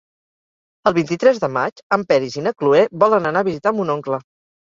El vint-i-tres de maig en Peris i na Cloè volen anar a visitar mon oncle.